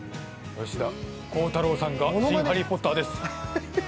吉田鋼太郎さんが新ハリー・ポッターです。